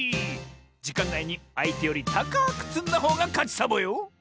じかんないにあいてよりたかくつんだほうがかちサボよ！